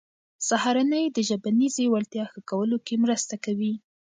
سهارنۍ د ژبنیزې وړتیا ښه کولو کې مرسته کوي.